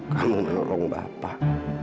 kamu menolong bapak